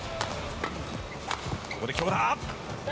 ここで強打。